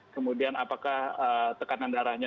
kemudian apakah tekanan darahnya